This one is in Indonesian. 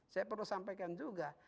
saya perlu sampaikan juga